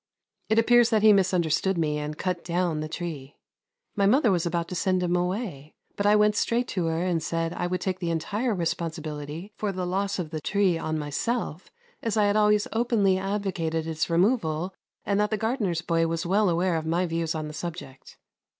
It appears that he misunderstood me and cut down the tree. My mother was about to send him away, but I went straight to her and said I would take the entire responsibility for the loss of the tree on myself, as I had always openly advocated its removal and that the gardener's boy was well aware of my views on the subject.